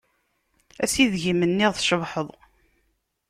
Ass ideg i m-nniɣ tcebḥeḍ.